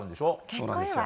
そうなんですよ